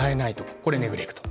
これはネグレクトだと。